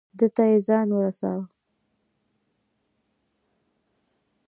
ده ته یې ځان رساو.